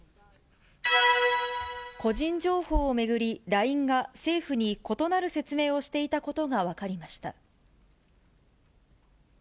個人情報を巡り、ＬＩＮＥが政府に異なる説明をしていたことが分かりました。